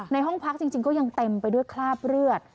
ห้องพักจริงก็ยังเต็มไปด้วยคราบเลือด